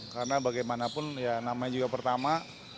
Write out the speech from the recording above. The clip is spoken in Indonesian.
karena bagaimanapun ya namanya juga pertama